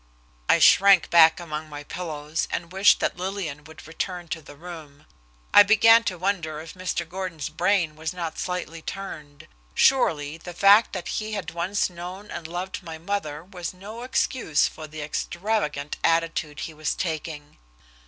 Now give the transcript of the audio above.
I shrank back among my pillows, and wished that Lillian would return to the room. I began to wonder if Mr. Gordon's brain was not slightly turned. Surely, the fact that he had once known and loved my mother was no excuse for the extravagant attitude he was taking.